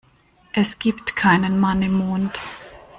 Es gibt keinen Mann im Mond.